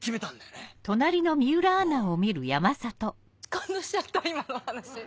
感動しちゃった今の話。